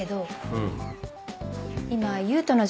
うん。